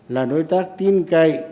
là đối tác tin cậy